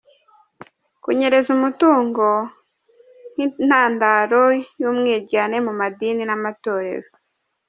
Kunyereza umutungo nk’intandaro y’umwiryane mu madini n’amatorero.